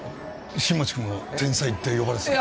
新町君も天才って呼ばれてたの？